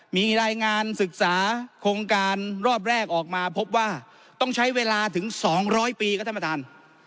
มีรายงานศึกษาโครงการรอบแรกออกมาพบว่าต้องใช้เวลาถึง๒๐๐ปีครับท่านประธาน